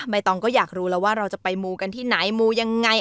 ตองก็อยากรู้แล้วว่าเราจะไปมูกันที่ไหนมูยังไง